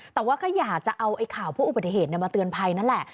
แต่ว่าก็อยากจะเอาข่าวเพื่ออุบัติเหตุมาเตือนภัยนั่นแหละ